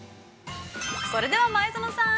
◆それでは前園さん。